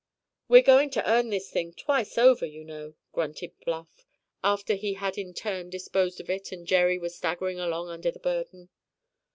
"We're going to earn this thing twice over, you know," grunted Bluff, after he had in turn disposed of it and Jerry was staggering along under the burden.